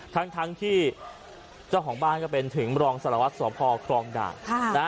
ทั้งทั้งที่เจ้าของบ้านก็เป็นถึงมรองสลวัสตร์สวพครองด่าค่ะนะฮะ